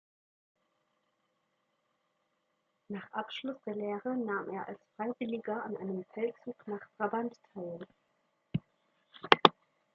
Nach Abschluss der Lehre nahm er als Freiwilliger an einem Feldzug nach Brabant teil.